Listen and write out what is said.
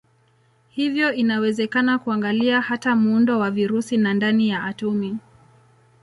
Hivyo inawezekana kuangalia hata muundo wa virusi na ndani ya atomi.